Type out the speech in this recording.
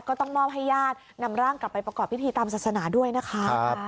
ก็ต้องมอบให้ญาตินำร่างกลับไปประกอบพิธีตามศาสนาด้วยนะคะ